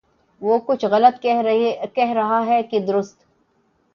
وہ کچھ غلط کہہ رہا ہے کہ درست